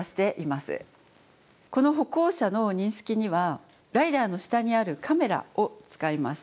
この歩行者の認識にはライダーの下にあるカメラを使います。